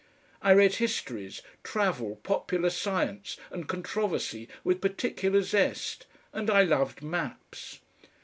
I read histories, travel, popular science and controversy with particular zest, and I loved maps.